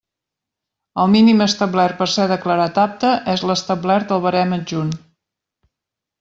El mínim establert per ser declarat apte és l'establert al barem adjunt.